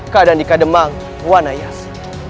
keadaan di kademang wanayasa